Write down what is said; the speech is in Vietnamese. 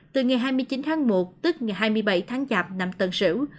từ ngày hai mươi chín tháng một tức ngày hai mươi bảy tháng chạp năm tân sửu